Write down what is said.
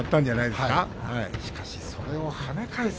しかし、それをはね返す。